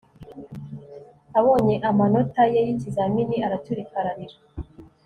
Abonye amanota ye yikizamini araturika ararira